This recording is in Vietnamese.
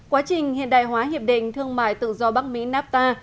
quá trình hiện đại hóa hiệp định thương mại tự do bắc mỹ nafta